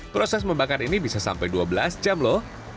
proses membakar ini bisa sampai dua belas jam loh